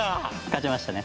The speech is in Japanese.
勝ちましたね。